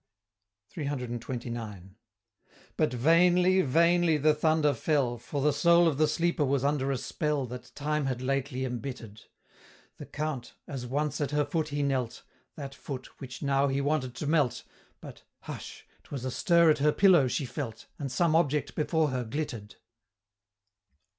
CCCXXIX. But vainly, vainly, the thunder fell, For the soul of the Sleeper was under a spell That time had lately embitter'd The Count, as once at her foot he knelt That foot, which now he wanted to melt! But hush! 'twas a stir at her pillow she felt And some object before her glitter'd.